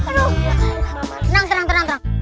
tenang tenang tenang